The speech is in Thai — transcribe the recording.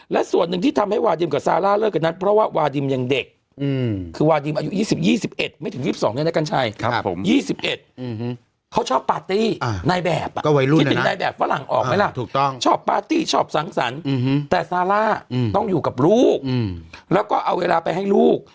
และส่วนหนึ่งที่ทำให้วาดิมกับซาร่าเลิกกันนั้นเพราะว่าวาดิมยังเด็กคือวาดิมอายุ๒๐๒๑ไม่ถึง๒๒เนี่ยนะกัญชัย๒๑เขาชอบปาร์ตี้ในแบบคิดถึงนายแบบฝรั่งออกไหมล่ะถูกต้องชอบปาร์ตี้ชอบสังสรรค์แต่ซาร่าต้องอยู่กับลูกแล้วก็เอาเวลาไปให้ลูก